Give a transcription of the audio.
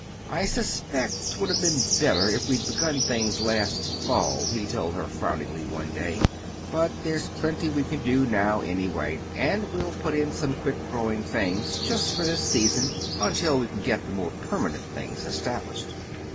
"I suspect 'twould have been better if we'd begun things last fall," he told her frowningly one day. "But there's plenty we can do now anyway; and we'll put in some quick growing things, just for this season, until we can get the more permanent things established."